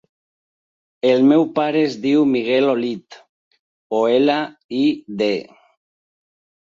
El meu pare es diu Miguel Olid: o, ela, i, de.